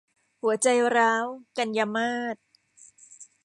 หัวใจร้าว - กันยามาส